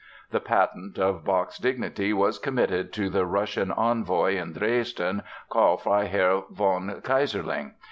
The patent of Bach's dignity was committed to the Russian envoy in Dresden, Carl Freiherr von Keyserling.